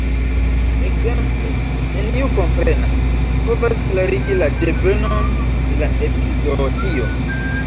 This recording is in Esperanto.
Ekzemple: neniu komprenas, povas klarigi la devenon de la epizootio.